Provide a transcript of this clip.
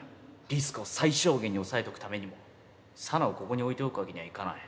リスクを最小限に抑えとくためにも紗奈をここに置いておくわけにはいかない。